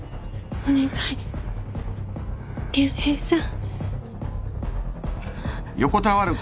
お願い竜兵さん